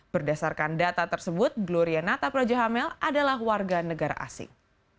berdasarkan data tersebut gloria natapraja hamel adalah warga negara asing